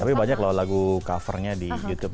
tapi banyak loh lagu covernya di youtube